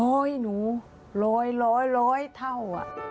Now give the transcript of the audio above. โอ๊ยหนูร้อยเท่า